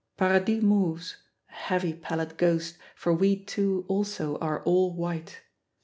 Paradis moves a heavy pallid ghost, for we two also are all white.